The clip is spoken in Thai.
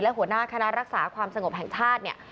และหัวหน้าคณะรักษาความสงบแห่งชาติเนี่ย